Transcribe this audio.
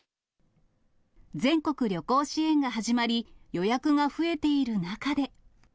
全国旅行支援が始まり、予約が増えている中で。